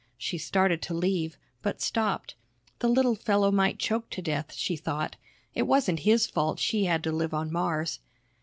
She started to leave, but stopped. The little fellow might choke to death, she thought, it wasn't his fault she had to live on Mars.